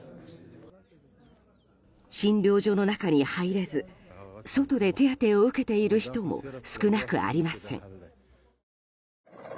診療所の中に入れず外で手当てを受けている人も少なくありません。